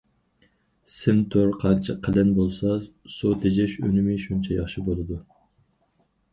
سىم تور قانچە قېلىن بولسا، سۇ تېجەش ئۈنۈمى شۇنچە ياخشى بولىدۇ.